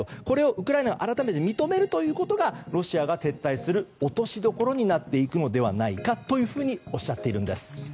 これをウクライナが改めて認めるということがロシアが撤退する落としどころになっていくのではないかとおっしゃっているんです。